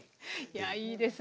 いやいいですね。